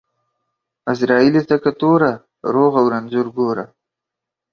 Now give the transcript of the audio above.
عزرائيله تکه توره ، روغ او رنځور گوره.